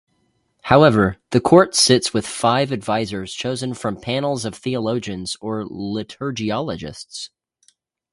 However, the court sits with five advisers chosen from panels of theologians or liturgiologists.